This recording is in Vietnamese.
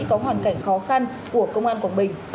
có hoàn cảnh khó khăn của công an quảng bình